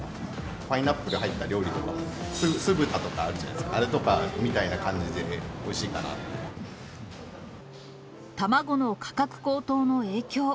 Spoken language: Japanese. パイナップル入った料理とか、酢豚とかあるじゃないですか、あれとかみたいな感じで、おいし卵の価格高騰の影響。